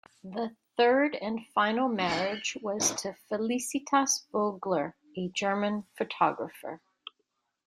The third and final marriage was to Felicitas Vogler, a German photographer.